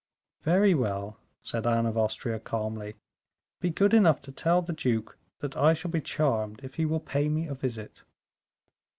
"Very well," said Anne of Austria, calmly. "Be good enough to tell the duke that I shall be charmed if he will pay me a visit."